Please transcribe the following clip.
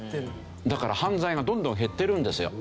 だから犯罪がどんどん減ってるんですよ。